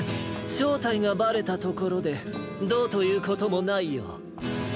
しょうたいがバレたところでどうということもないよ！